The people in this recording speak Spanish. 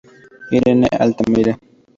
Irene de Altamira.